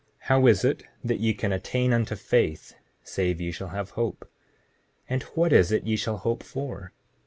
How is it that ye can attain unto faith, save ye shall have hope? 7:41 And what is it that ye shall hope for?